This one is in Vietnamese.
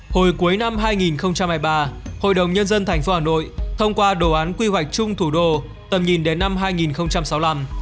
hồi cuối năm hai nghìn hai mươi ba hội đồng nhân dân tp hà nội thông qua đồ án quy hoạch chung thủ đô tầm nhìn đến năm hai nghìn sáu mươi năm